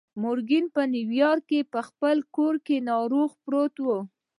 مورګان په نيويارک کې په خپل کور کې ناروغ پروت و.